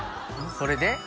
それで。